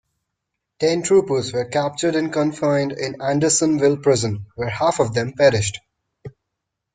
Ten troopers were captured and confined in Andersonville Prison, where half of them perished.